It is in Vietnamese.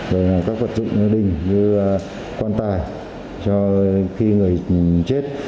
rồi là các vật dụng như đình như quan tài cho khi người chết